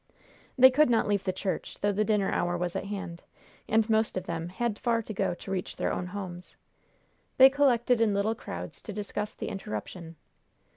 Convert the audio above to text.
They could not leave the church, though the dinner hour was at hand, and most of them had far to go to reach their own homes. They collected in little crowds to discuss the interruption.